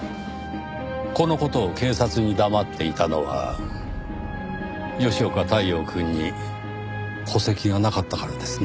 この事を警察に黙っていたのは吉岡太陽くんに戸籍がなかったからですね？